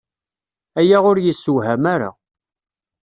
Aya ur yessewham ara.